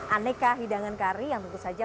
aneka hidangan kari yang tentu saja